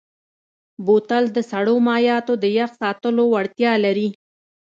بوتل د سړو مایعاتو د یخ ساتلو وړتیا لري.